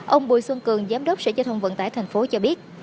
ông bùi xuân cường giám đốc sở giao thông vận tải thành phố cho biết